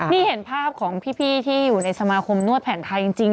นี่เห็นภาพของพี่ที่อยู่ในสมาคมนวดแผนไทยจริง